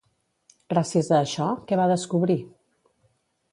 Gràcies a això, què va descobrir?